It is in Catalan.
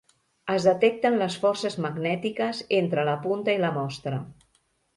Es detecten les forces magnètiques entre la punta i la mostra.